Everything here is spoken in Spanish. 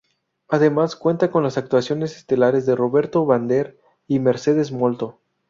Además cuenta con las actuaciones estelares de Roberto Vander y Mercedes Molto.